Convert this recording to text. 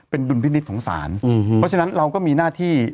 เป็นดุลพินิษฐ์ของศาลเพราะฉะนั้นเราก็มีหน้าที่